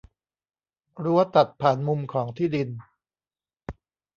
รั้วตัดผ่านมุมของที่ดิน